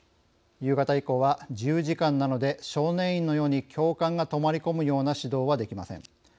夕方以降は自由時間なので少年院のように教官が泊まり込むような指導はできません。